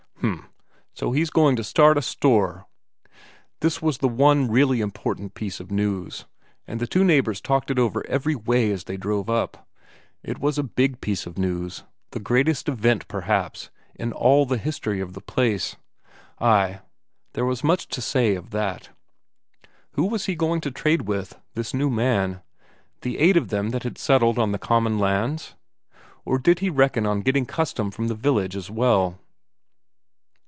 "H'm. So he's going to start a store?" This was the one really important piece of news, and the two neighbours talked it over every way as they drove up. It was a big piece of news the greatest event, perhaps, in all the history of the place; ay, there was much to say of that. Who was he going to trade with, this new man? The eight of them that had settled on the common lands? Or did he reckon on getting custom from the village as well?